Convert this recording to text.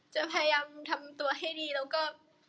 จะพยายามทำตัวให้ดีแล้วก็